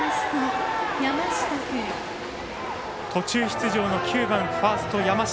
途中出場の９番ファースト、山下。